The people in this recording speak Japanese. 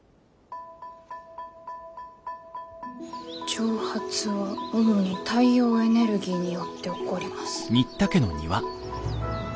「蒸発は主に太陽エネルギーによって起こります」。